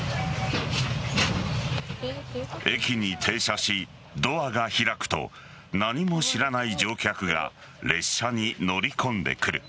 駅に停車し、ドアが開くと何も知らない乗客が列車に乗り込んでくる。